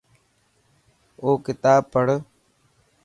او ڪتاب پڙهه